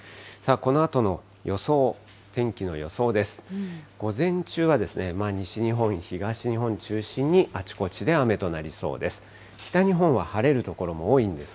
このあとの予想、天気の予想です。